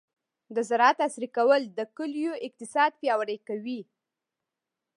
د زراعت عصري کول د کلیو اقتصاد پیاوړی کوي.